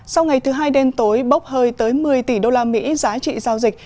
sau ngày thứ hai đêm tối bốc hơi tới một mươi tỷ đô la mỹ giá trị giao dịch